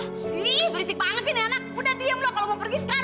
hih berisik banget sih nih anak udah diem lo kalo mau pergi sekarang bu